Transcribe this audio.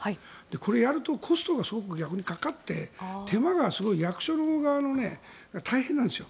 これ、やるとコストがすごく逆にかかって手間がすごい役所側が大変なんですよ。